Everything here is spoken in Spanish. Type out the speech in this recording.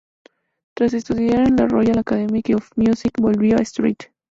Tras estudiar en la Royal Academy of Music, volvió a St.